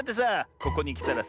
ここにきたらさ